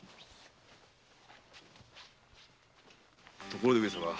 ところで上様。